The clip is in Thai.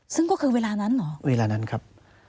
ซึ่งก็คือเวลานั้นเหรอเวลานั้นครับ